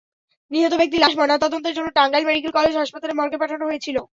নিহত ব্যক্তির লাশ ময়নাতদন্তের জন্য টাঙ্গাইল মেডিকেল কলেজ হাসপাতালের মর্গে পাঠানো হয়েছিল।